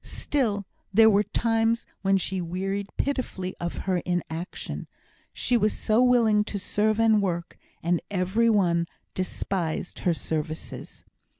Still there were times when she wearied pitifully of her inaction. She was so willing to serve and work, and every one despised her services.